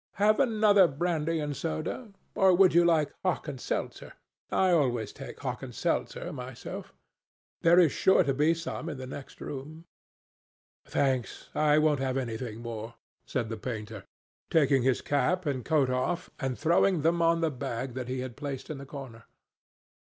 Have another brandy and soda? Or would you like hock and seltzer? I always take hock and seltzer myself. There is sure to be some in the next room." "Thanks, I won't have anything more," said the painter, taking his cap and coat off and throwing them on the bag that he had placed in the corner.